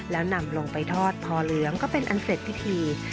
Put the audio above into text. แล้วนำลงไปทอดพอเหลืองก็เป็นอันเสร็จพิธี